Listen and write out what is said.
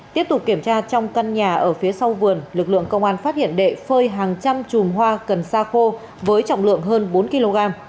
tiếp tục kiểm tra trong căn nhà ở phía sau vườn lực lượng công an phát hiện đệ phơi hàng trăm chùm hoa cần sa khô với trọng lượng hơn bốn kg